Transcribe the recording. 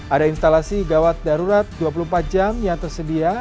ada instalasi gawat darurat dua puluh empat jam yang tersedia